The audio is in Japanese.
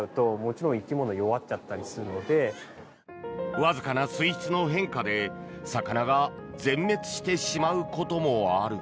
わずかな水質の変化で魚が全滅してしまうこともある。